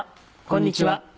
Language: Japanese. こんにちは。